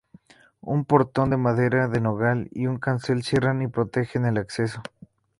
Un portón de madera de nogal y un cancel cierran y protegen el acceso.